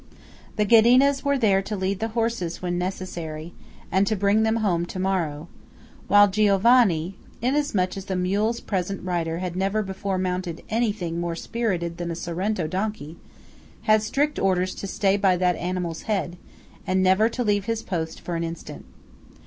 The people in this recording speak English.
The Ghedinas were there to lead the horses when necessary, and to bring them home to morrow; while Giovanni–inasmuch as the mule's present rider had never before mounted anything more spirited than a Sorrento donkey–had strict orders to stay by that animal's head, and never to leave his post for an instant.